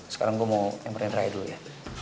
sekarang gue mau empernya raya dulu ya